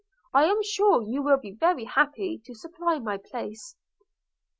I am sure you will be very happy to supply my place.'